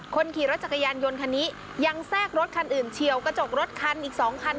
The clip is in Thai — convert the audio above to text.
คนขี่รถจักรยานยนต์คันนี้ยังแทรกรถคันอื่นเฉียวกระจกรถคันอีก๒คัน